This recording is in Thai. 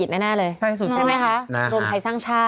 ใช่ไหมคะโรงไพรสร้างชาติ